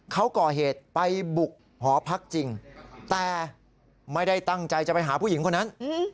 เขาก่อเหตุไปบุกหอพักจริงแต่ไม่ได้ตั้งใจจะไปหาผู้หญิงคนนั้น